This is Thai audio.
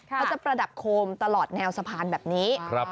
เขาจะประดับโคมตลอดแนวสะพานแบบนี้